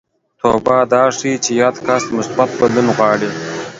توبه دا ښيي چې یاد کس مثبت بدلون غواړي